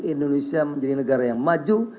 indonesia menjadi negara yang maju